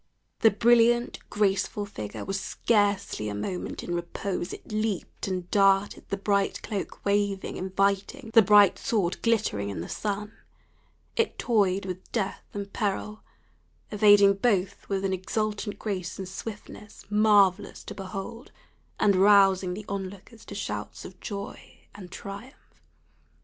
The brilliant, graceful figure was scarcely a moment in repose; it leaped and darted, the bright cloak waving, inviting, the bright sword glittering in the sun it toyed with death and peril, evading both with an exultant grace and swiftness marvellous to behold, and rousing the on lookers to shouts of joy and triumph.